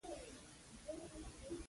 پازوالان د يوې ليکنې د ړنګولو واک لري.